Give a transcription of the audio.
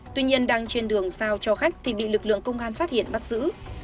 tuy nhiên đang trên đường giao cho khách thì bị lực lượng công an phát hiện bắt giữ